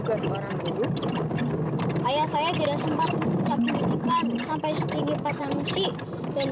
ayah saya tidak sempat sampai setinggi pasang musik dan